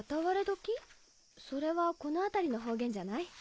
それはこの辺りの方言じゃない？